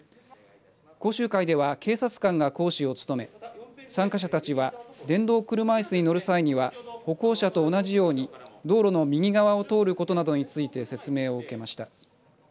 講習会では警察官が講師を務め参加者たちは電動車いすに乗る際には歩行者と同じように道路の右側を通ることなどについて説明を受けました。